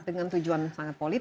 dengan tujuan sangat politis